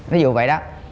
ví dụ vậy đó